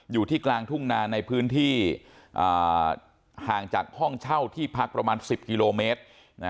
อยู่ที่กลางทุ่งนาในพื้นที่ห่างจากห้องเช่าที่พักประมาณ๑๐กิโลเมตร